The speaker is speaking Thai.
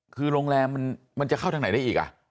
คือโรงแรมมันจะเข้าทางไหนได้อีก